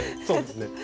そうですね。